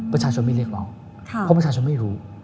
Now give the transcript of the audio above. ประชาชนไม่เรียกร้องเพราะประชาชนไม่รู้